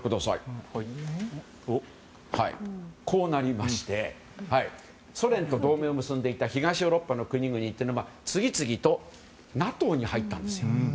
こうなりましてソ連と同盟を結んでいた東ヨーロッパの国々は次々とＮＡＴＯに入ったんですよ。